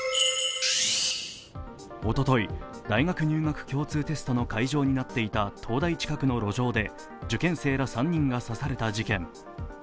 おととい、大学入試共通テストの会場になっていた東大近くの路上で、受験生ら３人が刺された事件。